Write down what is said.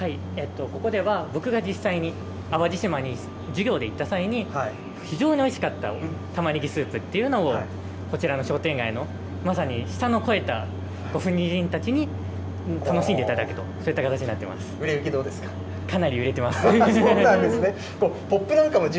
ここでは、僕が実際に淡路島に授業で行った際に、非常においしかったたまねぎスープというのを、こちらの商店街のまさに舌の肥えたご婦人たちに楽しんでいただく売れ行き、どうですか。